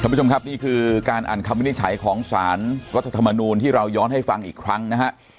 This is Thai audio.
ผู้ชมครับนี่คือการอ่านคำวินิจฉัยของสารรัฐธรรมนูลที่เราย้อนให้ฟังอีกครั้งนะฮะ